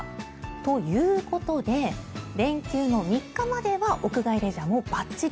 ということで、連休の３日までは屋外レジャーもばっちり。